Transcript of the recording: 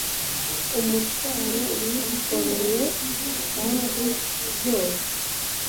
Umutwaro yikoreye kandi byose